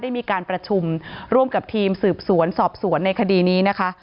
มีการประชุมร่วมกับทีมสืบสวนสอบสวนในคดีนี้นะคะ